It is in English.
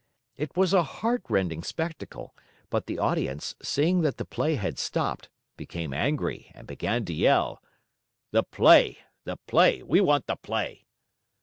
It was a heart rending spectacle, but the audience, seeing that the play had stopped, became angry and began to yell: "The play, the play, we want the play!"